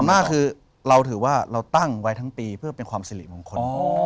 มากคือเราถือว่าเราตั้งไว้ทั้งปีเพื่อเป็นความสิริมงคล